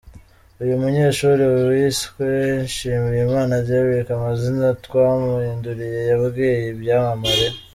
Uyu munyeshuri wiswe Nshimiyimana Derick amazina twamuhinduriye, yabwiye Ibyamamare.